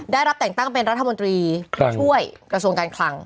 ได้รับแต่งตั้งเป็นรัฐมนตรีช่วยกระทรวงการคลัง